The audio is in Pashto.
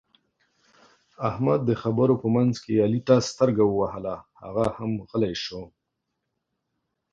احمد د خبرو په منځ کې علي ته سترګه ووهله؛ هغه هم غلی شو.